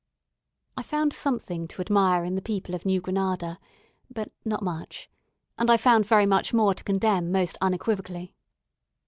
I found something to admire in the people of New Granada, but not much; and I found very much more to condemn most unequivocally.